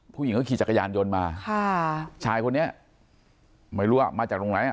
ผู้หญิงเขาขี่จักรยานยนต์มาค่ะชายคนนี้ไม่รู้ว่ามาจากตรงไหนอ่ะ